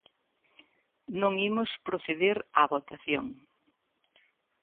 Non imos proceder á votación.